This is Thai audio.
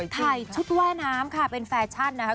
ถ่ายชุดว่ายน้ำค่ะเป็นแฟชั่นนะคะ